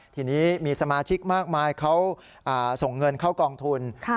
ทีนี้มีสมาชิกมากมายเขาส่งเงินเข้ากองทุน